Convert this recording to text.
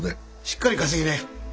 しっかり稼ぎなよ。